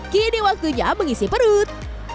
kini waktunya mengisi perut